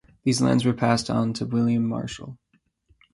These lands were passed on to William Marshal.